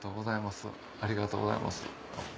ありがとうございます。